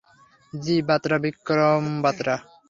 জি, Batra, Vikram Batra.